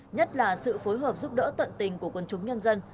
nhất là sự phối hợp giúp đỡ tận tình của quân chúng nhân dân